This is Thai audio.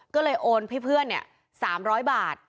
ก็เลยโอนพี่เพื่อนเนี่ย๓๐๐บาท